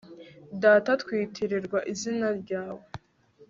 data twitirirwa izina ryawe